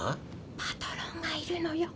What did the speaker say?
パトロンがいるのよ。